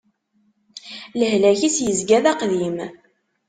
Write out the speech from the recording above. Lehlak-is yezga d aqdim.